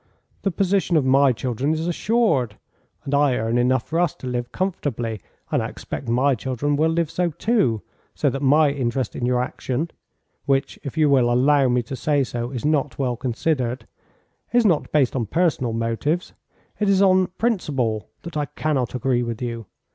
The position of my children is assured, and I earn enough for us to live comfortably, and I expect my children will live so too, so that my interest in your action which, if you will allow me to say so, is not well considered is not based on personal motives; it is on principle that I cannot agree with you.